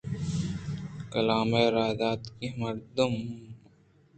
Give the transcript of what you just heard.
کلام ءِ راہ داتگیں مردم اَنت